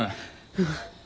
うん。